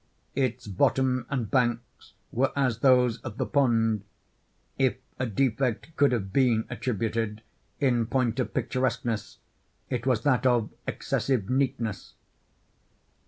Its bottom and banks were as those of the pond—if a defect could have been attributed, in point of picturesqueness, it was that of excessive neatness.